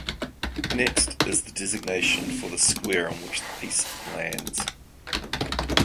Next is the designation for the square on which the piece lands.